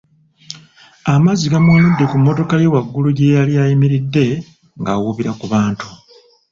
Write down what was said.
Amazzi gamuwanudde ku mmotoka ye waggulu gye yali ayimiridde ng'awuubira ku bantu.